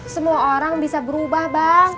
semua orang bisa berubah bang